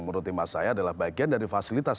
menurut imat saya adalah bagian dari fasilitas